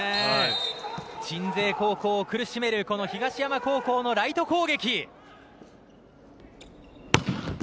鎮西高校を苦しめる東山高校のライト攻撃。